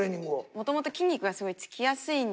もともと筋肉がすごいつきやすいんですけど。